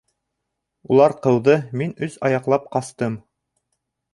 Улар ҡыуҙы, мин өс аяҡлап ҡастым.